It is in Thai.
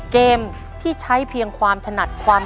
เกมที่ใช้เพียงความถนัดความ